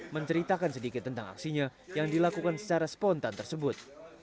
menceritakan sedikit tentang aksinya yang dilakukan secara spontan tersebut